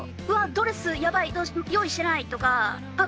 ドレスやばい用意してない！とかあっ